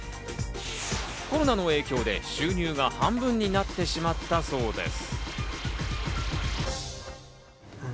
コロナの影響で収入が半分になってしまったそうです。